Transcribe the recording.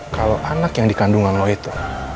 kalau anak yang dikandungan lo itu